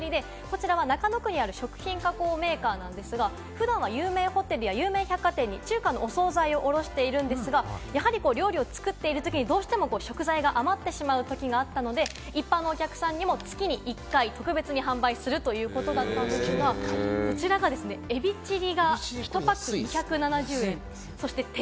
中野区にある食品加工メーカーですが、普段は有名ホテルや百貨店などにお総菜を卸しているんですが、料理を作っているときにどうしても食材が余ってしまうときがあったので、一般のお客さんにも月に１回、特別に販売するということだったんですが、こちら、エビチリが１パック２７０円。